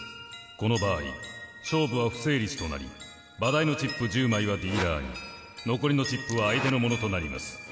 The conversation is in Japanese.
この場合勝負は不成立となり場代のチップ１０枚はディーラーに残りのチップは相手のものとなります。